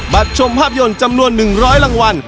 ชมภาพยนตร์จำนวน๑๐๐รางวัล